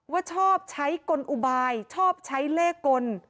ว่าชอบใช้กลอุบายชอบใช้เลขกล